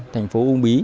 thành phố úng bí